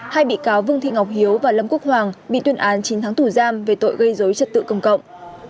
hai bị cáo vương thị ngọc hiếu và lâm quốc hoàng bị tuyên án chín tháng tù giam về tội gây dối trật tự công cộng